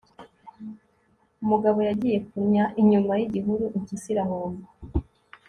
umugabo yagiye kunnya inyuma y'igihuru impyisi irahuma